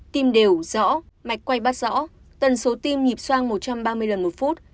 tim đều rõ mạch quay bát rõ tần số tim nhịp soang một trăm ba mươi lần một phút